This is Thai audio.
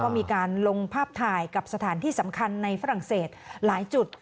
มีการลงภาพถ่ายกับสถานที่สำคัญในฝรั่งเศสหลายจุด